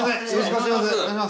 お願いします。